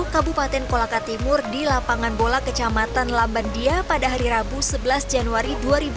kabupaten kolaka timur di lapangan bola kecamatan lambandia pada hari rabu sebelas januari dua ribu dua puluh